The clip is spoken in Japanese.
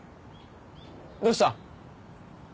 どうした？